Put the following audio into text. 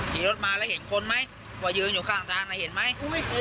พี่รถมาละเห็นคนไหมว่ายืนอยู่ข้างด้านน่ะเห็นไหม